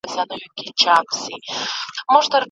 پرته له جنګه نور نکلونه لرې؟